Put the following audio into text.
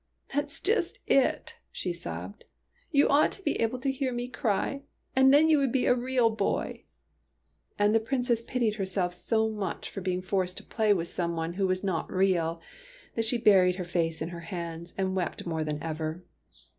''That's just it!" she sobbed. "You ought to be able to hear me cry, and then you would be a real boy !" And the Princess pitied herself so much for being forced to play with some one who was not real, that she buried her face in her hands and wept more than ever.